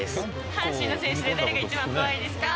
阪神の選手で誰が一番怖いですか。